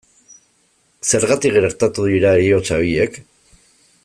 Zergatik gertatu dira heriotza horiek?